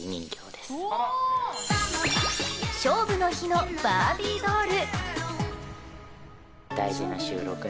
勝負の日のバービードール。